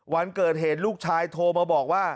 วันเกิดเหตุลูกชายโทรมาบอกว่า